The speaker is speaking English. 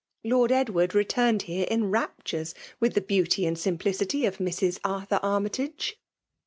Lord Edward returned here in raptures with the beauty and simplicity of Mrs. Arthur Armytage.'